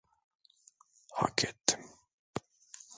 Hak ettim.